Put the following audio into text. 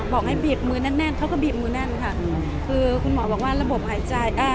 บอกให้บีบมือแน่นแน่นเขาก็บีบมือแน่นค่ะคือคุณหมอบอกว่าระบบหายใจอ่า